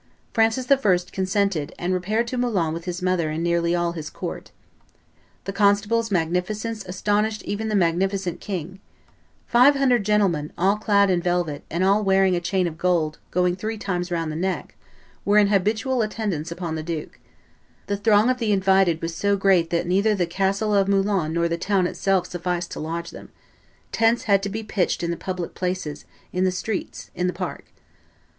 Francis I. consented and repaired to Moulins with his mother and nearly all his court. The constable's magnificence astonished even the magnificent king "five hundred gentlemen, all clad in velvet, and all wearing a chain of gold going three times round the neck," were in habitual attendance upon the duke; "the throng of the invited was so great that neither the castle of Moulins nor the town itself sufficed to lodge them; tents had to be pitched in the public places, in the streets, in the park."